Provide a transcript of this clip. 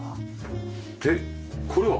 でこれは？